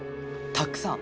たっくさん。